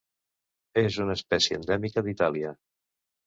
És una espècie endèmica d'Itàlia.